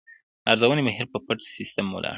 د ارزونې بهیر په پټ سیستم ولاړ دی.